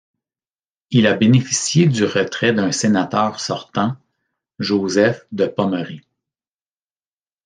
Il a bénéficié du retrait d'un sénateur sortant, Joseph de Pommery.